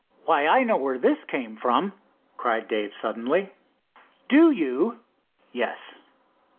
"Why, I know where this came from!" cried Dave suddenly. "Do you?" "Yes."